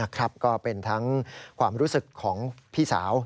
ก็เป็นทั้งความรู้สึกของพี่สาว